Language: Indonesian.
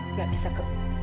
nggak bisa kek